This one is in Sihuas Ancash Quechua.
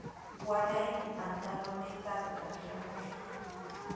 Waraymi pantulunniita taqshamushaq.